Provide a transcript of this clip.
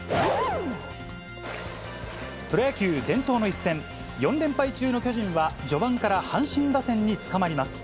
プロ野球伝統の一戦、４連敗中の巨人は、序盤から阪神打線につかまります。